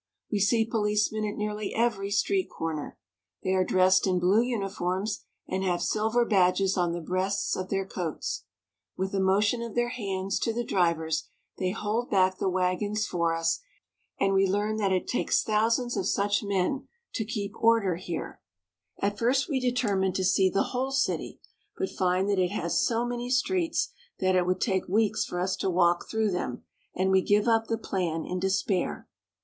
We see policemen at nearly every street corner. They are dressed in blue uniforms, and have silver badges on the breasts of their coats. With a motion of their hands to the drivers they hold back the wagons for us, and we learn that it takes thousands of such men to keep order A New York Policeman. A GREAT COMMERCIAL CITY. 59 here. At first we determine to see the whole city, but find that it has so many streets that it would take weeks for us to walk through them, and we give up the plan in despair.